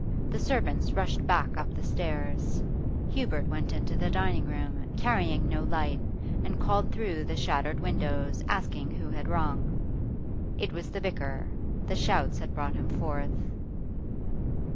The servants rushed back up the stairs; Hubert went into the dining room, carrying no light, and called through the shattered windows asking who had rung. It was the vicar; the shouts had brought him forth.